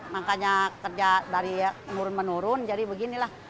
makanya kerja dari menurun menurun jadi beginilah